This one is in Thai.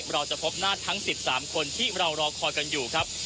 เราจะพบหน้าทั้ง๑๓คนที่เรารอคอยกันอยู่ครับ